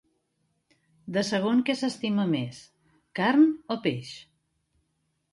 De segon què s'estima més, carn o peix?